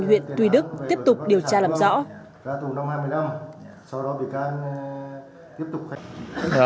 huyện tuy đức tiếp tục điều tra làm rõ